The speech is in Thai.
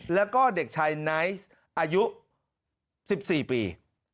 แล้วก็เด็กชายไนท์อายุ๑๔ปี